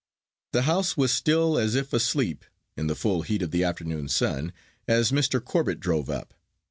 The house was still as if asleep in the full heat of the afternoon sun, as Mr. Corbet drove up.